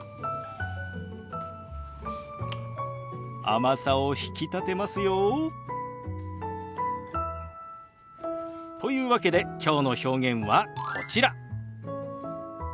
甘さを引き立てますよ。というわけできょうの表現はこちら。